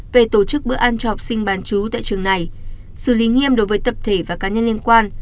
về tổ chức bữa ăn cho học sinh bán chú tại trường này xử lý nghiêm đối với tập thể và cá nhân liên quan